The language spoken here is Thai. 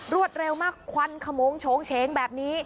รวดเร็วมากควันขมงโฉงเฉงแบบนี้